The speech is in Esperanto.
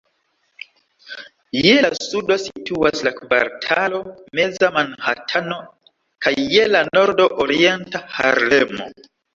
Je la sudo situas la kvartalo Meza Manhatano kaj je la nordo Orienta Harlemo.